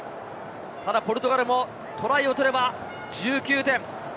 ただポルトガルもトライを取れば１９点。